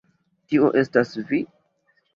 Tio estas vi?